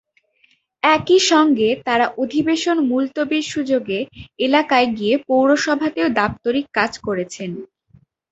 একই সঙ্গে তাঁরা অধিবেশন মুলতবির সুযোগে এলাকায় গিয়ে পৌরসভাতেও দাপ্তরিক কাজ করেছেন।